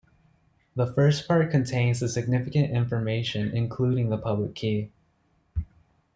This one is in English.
The first part contains the significant information, including the public key.